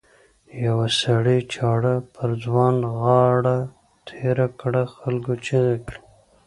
یوه سړي چاړه پر ځوان غاړه تېره کړه خلکو چیغې کړې.